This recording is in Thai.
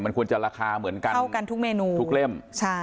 มันควรจะราคาเหมือนกันเท่ากันทุกเมนูทุกเล่มใช่